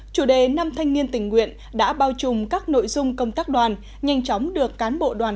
chủ đề năm thanh niên tình nguyện đã bao trùm các nội dung công tác đoàn nhanh chóng được cán bộ đoàn